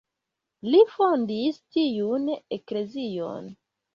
Li fondis tiun eklezion.